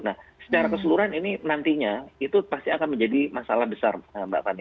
nah secara keseluruhan ini nantinya itu pasti akan menjadi masalah besar mbak fani